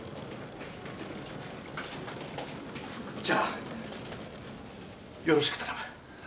じゃあよろしく頼む。